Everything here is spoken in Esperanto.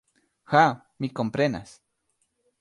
Ha, mi komprenas.